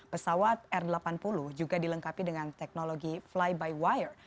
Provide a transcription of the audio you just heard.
pesawat r delapan puluh juga dilengkapi dengan teknologi fly by wire